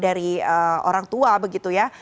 dari orang tua begitu ya